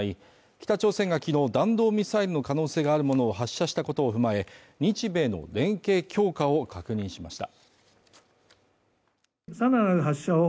北朝鮮がきのう弾道ミサイルの可能性があるものを発射したことを踏まえ、日米の連携強化を確認しました。